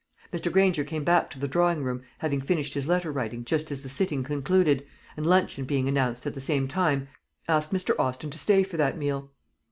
Mr. Granger came back to the drawing room, having finished his letter writing just as the sitting concluded, and, luncheon being announced at the same time, asked Mr. Austin to stay for that meal.